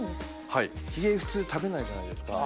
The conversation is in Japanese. はいひげ普通食べないじゃないですか。